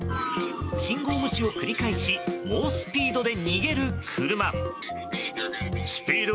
信号無視を繰り返し猛スピードで逃げる車。